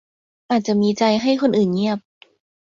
อาจจะมีใจให้คนอื่นเงียบ